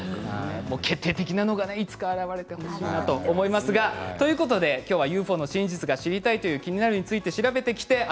決定的なのがいつか現れてほしいなと思いますがということで、今日はＵＦＯの真実が知りたいというキニナルについて調べてきました。